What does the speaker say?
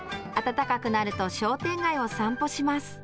暖かくなると商店街を散歩します。